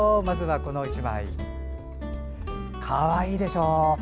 まずはこの１枚。かわいいでしょ。